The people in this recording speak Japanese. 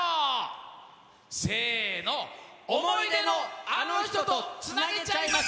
せーの、想い出のあの人とつなげちゃいます！